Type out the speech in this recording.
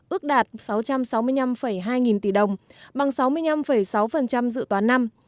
ước đạt sáu trăm sáu mươi năm hai nghìn tỷ đồng bằng sáu mươi năm sáu dự toán năm